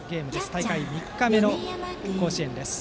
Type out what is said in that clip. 大会３日目の甲子園です。